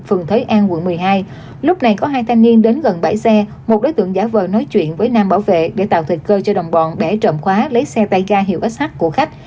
phường thới an quận một mươi hai lúc này có hai thanh niên đến gần bãi xe một đối tượng giả vờ nói chuyện với nam bảo vệ để tạo thề cơ cho đồng bọn bẻ trộm khóa lấy xe tê ga hiệu sh của khách